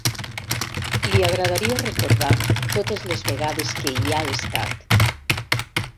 Li agradaria recordar totes les vegades que hi ha estat.